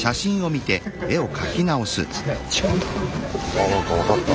あなんか分かった。